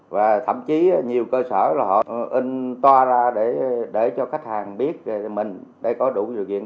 và thậm chí nhiều cơ sở là họ in toa ra để cho khách hàng biết mình để có đủ điều kiện